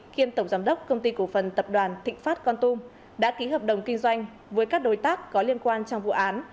kiêm tổng giám đốc công ty cổ phần tập đoàn thịnh phát con tum đã ký hợp đồng kinh doanh với các đối tác có liên quan trong vụ án